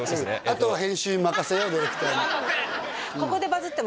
あとは編集に任せようディレクターにやっべ！